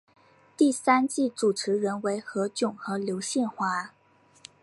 第三季主持人为何炅和刘宪华。